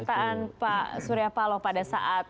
karena mereka adalah warhamah dan kebenaran